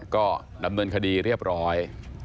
ก็ดำเนินคดีเรียบร้อย